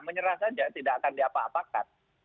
menyerah saja tidak akan diapa apakan